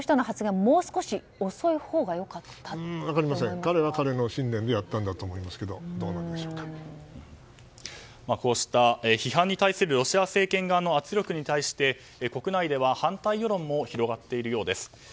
彼は彼の信念でやったと思いますがこうした批判に対するロシア政権側の圧力に対して国内では反対世論も広がっているようです。